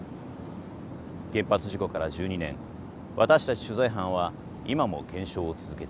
原発事故から１２年私たち取材班は今も検証を続けています。